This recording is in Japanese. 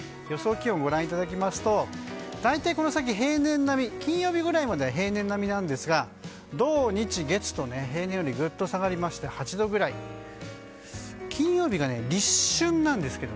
予想気温をご覧いただきますと大体この先、金曜日ぐらいまでは平年並みなんですが土日月と平年よりぐっと下がりまして８度ぐらいです。